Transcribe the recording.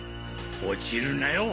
落ちるなよ